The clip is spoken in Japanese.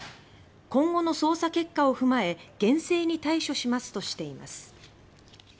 今後の捜査結果を踏まえ厳正に対処します」としています。